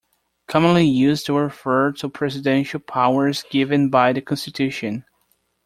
Commonly used to refer to Presidential powers given by the constitution.